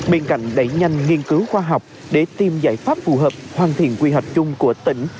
bên cạnh đẩy nhanh nghiên cứu khoa học để tìm giải pháp phù hợp hoàn thiện quy hoạch chung của tỉnh